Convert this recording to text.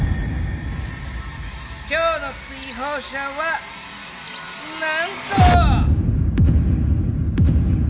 今日の追放者はなんと。